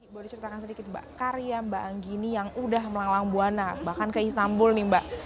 boleh diceritakan sedikit mbak karya mbak anggi ini yang udah melanglang buana bahkan ke istanbul nih mbak